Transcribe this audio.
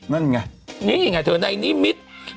นั่นไงนี่ไงเธอในนิมิตร